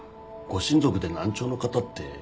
ご親族で難聴の方って。